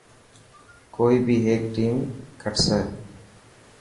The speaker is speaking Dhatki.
ڪوئي بي هيڪ ٽيم کٽسي.